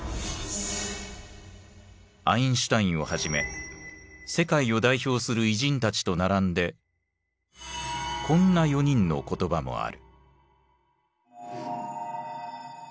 アインシュタインをはじめ世界を代表する偉人たちと並んでこんな４人の言葉もある。